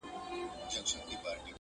چي پر خوله به یې راتله هغه کېدله!!